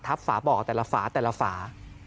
ฝาบ่อแต่ละฝาแต่ละฝา